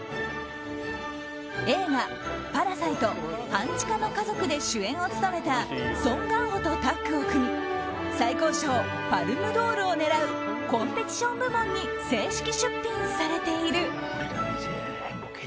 映画「パラサイト半地下の家族」で主演を務めたソン・ガンホとタッグを組み最高賞パルム・ドールを狙うコンペティション部門に正式出品されている。